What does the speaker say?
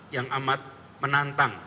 yang amat menantang